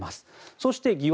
そして疑惑